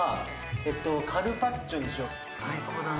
・最高だな。